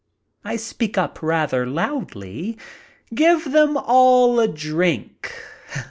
I speak up rather loudly. "Give them all a drink."